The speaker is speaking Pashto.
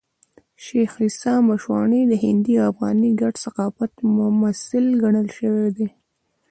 شېخ عیسي مشواڼي د هندي او افغاني ګډ ثقافت ممثل ګڼل سوى دئ.